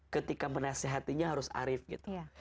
ketika penasehat ini harus arif gitu